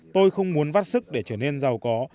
tôi không muốn vát sức để trở nên giàu có